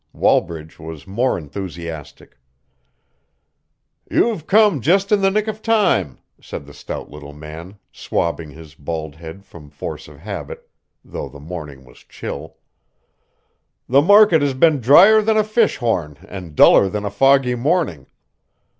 Wallbridge was more enthusiastic. "You've come just in the nick of time," said the stout little man, swabbing his bald head from force of habit, though the morning was chill. "The market has been drier than a fish horn and duller than a foggy morning.